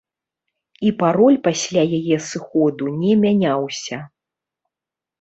І пароль пасля яе сыходу не мяняўся.